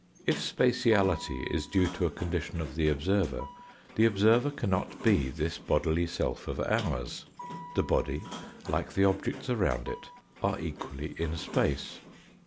If spatiality is due to a condition of the observer, the observer cannot be this bodily self of ours the body, like the objects around it, are equally in space.